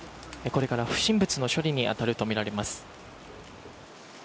これから不審物の処理に当たるとみられます。